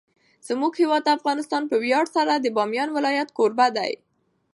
زموږ هیواد افغانستان په ویاړ سره د بامیان ولایت کوربه دی.